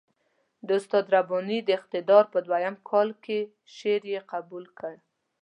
د استاد رباني د اقتدار په دویم کال کې شعر یې قبول کړ.